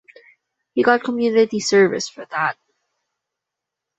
He got community service for that.